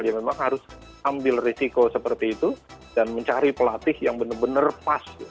dia memang harus ambil risiko seperti itu dan mencari pelatih yang benar benar pas